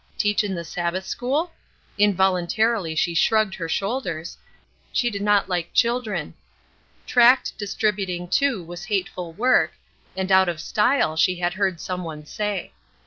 Teach in the Sabbath school? Involuntarily she shrugged her shoulders; she did not like children; tract distributing, too, was hateful work, and out of style she had heard some one say.